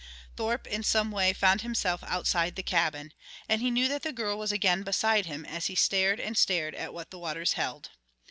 Thorpe in some way found himself outside the cabin. And he knew that the girl was again beside him as he stared and stared at what the waters held.